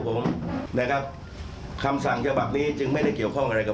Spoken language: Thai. ปฏิตามภาพบังชั่วมังตอนของเหตุการณ์ที่เกิดขึ้นในวันนี้พร้อมกันครับ